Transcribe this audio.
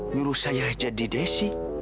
nyuruh saya jadi desi